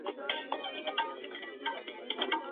استقامت د اخلاقو، ايمان او عمل پياوړتیا ده.